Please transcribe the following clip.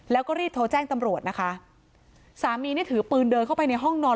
แล้วก็รีบโทรแจ้งตำรวจนะคะสามีเนี่ยถือปืนเดินเข้าไปในห้องนอน